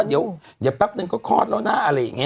คือไปเมาส์เรื่องระยะเวลาอะไร